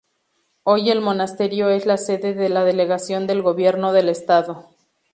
Hoy el monasterio es la sede de la delegación del Gobierno del Estado.